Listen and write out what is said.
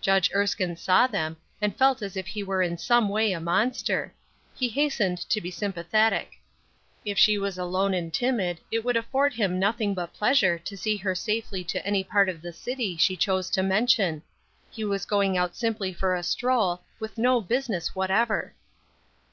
Judge Erskine saw them, and felt as if he were in some way a monster. He hastened to be sympathetic. If she was alone and timid it would afford him nothing but pleasure to see her safely to any part of the city she chose to mention. He was going out simply for a stroll, with no business whatever.